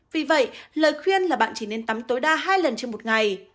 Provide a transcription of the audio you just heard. vì vậy lời khuyên là bạn chỉ nên tắm tối đa hai lần trên một ngày